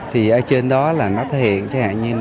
thì ở trên đó là nó thể hiện